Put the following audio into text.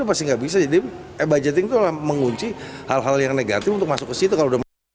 pasti nggak bisa jadi e budgeting itu mengunci hal hal yang negatif untuk masuk ke situ kalau udah